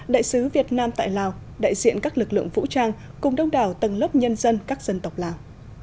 đại sứ việt nam tại lào đại diện các lực lượng vũ trang cùng đông đảo tầng lớp nhân dân các dân tộc lào